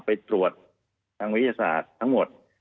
ไปตรวจทางวิทยาศาสตร์ทั้งหมด